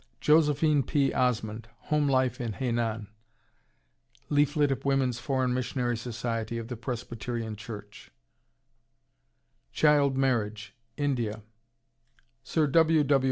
(Josephine P. Osmond, "Home Life in Hainan," leaflet of Women's Foreign Missionary Society of the Presbyterian Church) CHILD MARRIAGE, INDIA Sir W. W.